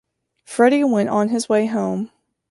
Freddie went on his way home.